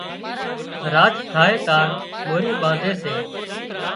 راچ ٿائي تار مورِي ٻانڌي سي